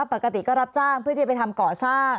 ปกติก็รับจ้างเพื่อจะไปทำก่อสร้าง